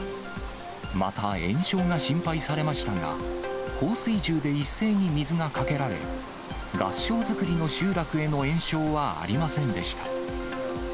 また、延焼が心配されましたが、放水銃で一斉に水がかけられ、合掌造りの集落への延焼はありませんでした。